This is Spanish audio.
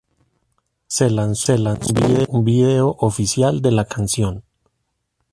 Se lanzó un video oficial de la canción.